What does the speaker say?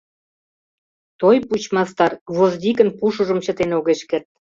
Той пуч мастар гвоздикын пушыжым чытен огеш керт.